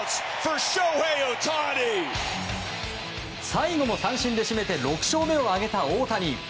最後も三振で締めて６勝目を挙げた大谷。